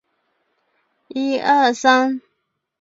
广阔的厄索斯大陆位于狭海对岸以东。